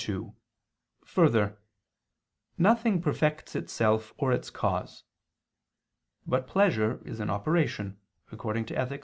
2: Further, nothing perfects itself or its cause. But pleasure is an operation (Ethic.